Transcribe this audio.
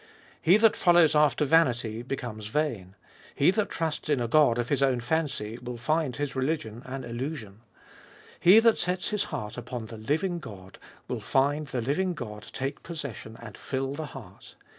He that follows after vanity becomes vain. He that trusts in a god of his own fancy will find his religion an illusion. He that sets his heart upon the living God will find the living God take possession and fill the heart.